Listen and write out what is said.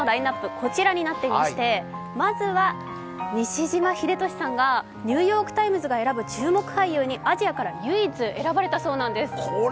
こちらになっていまして、まずは西島秀俊さんが「ニューヨーク・タイムズ」が選ぶ賞にアジアから唯一選ばれたそうなんです。